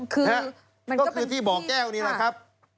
ก็คือที่เบาะแก้วนี้ล่ะครับ